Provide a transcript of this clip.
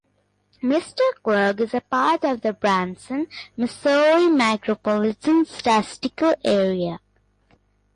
McClurg is part of the Branson, Missouri Micropolitan Statistical Area.